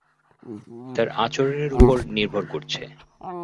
তার আচরণের উপর নির্ভর করছে।